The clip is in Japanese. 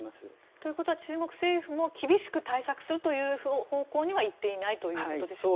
ということは中国政府も厳しく対策する方向にはいっていないということでしょうか。